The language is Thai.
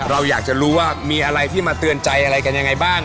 เราอยากจะรู้ว่ามีอะไรที่มาเตือนใจอะไรกันยังไงบ้าง